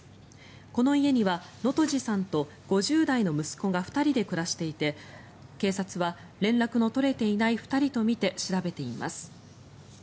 この家には能登路さんと５０代の息子が２人で暮らしていて警察は連絡の取れていない２人とみて調べています。